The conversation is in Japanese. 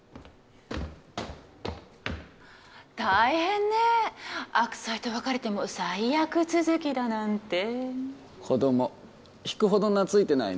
大変ね悪妻と別れても災厄続きだなんて子供引くほど懐いてないね